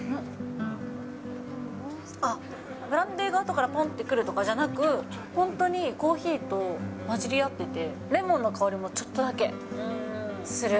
あっ、ブランデーがあとからぽんってくるとかじゃなく、本当にコーヒーと混じりあってて、レモンの香りもちょっとだけする。